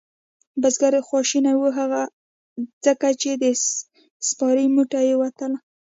بزگر خواشینی و هغه ځکه چې د سپارې موټۍ یې وتله.